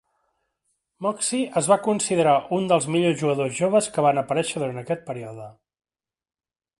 Moxey es va considerar un dels millors jugadors joves que van aparèixer durant aquest període.